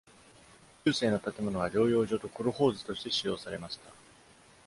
中世の建物は療養所とコルホーズとして使用されました。